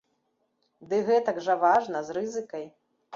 Ды гэтак жа важна, з рызыкай.